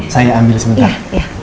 saya ambil sementara